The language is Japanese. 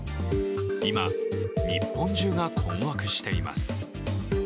今、日本中が困惑しています。